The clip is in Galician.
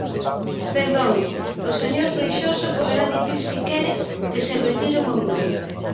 Perdón, o señor Freixoso poderá dicir se quere que se retiren ou non.